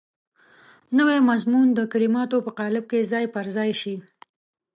نوی مضمون د کلماتو په قالب کې ځای پر ځای شي.